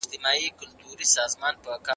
د خپل هېواد دفاع ته چمتو اوسئ.